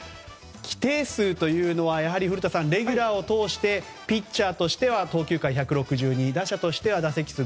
規定数というのは古田さん、レギュラーを通してピッチャーとしては投球回１６２打者としては打席数５０２。